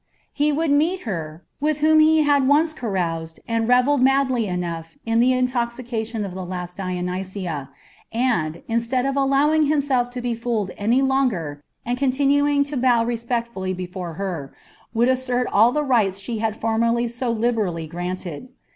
He would meet her, with whom he had once caroused and revelled madly enough in the intoxication of the last Dionysia, and, instead of allowing himself to be fooled any longer and continuing to bow respectfully before her, would assert all the rights she had formerly so liberally granted.